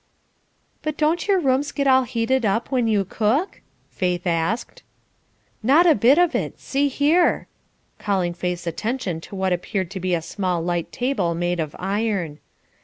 "But don't your rooms get all heated up when you cook?" Faith asked. "Not a bit of it! See here" calling Faith's attention to what appeared to be a small light table made of iron.